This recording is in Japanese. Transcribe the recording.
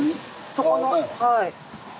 そこのはい。